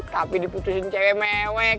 tapi diputusin cewek mewek